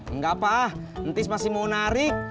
enggak pak entis masih mau narik